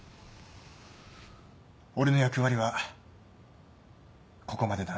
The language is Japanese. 俺の役割はここまでだな。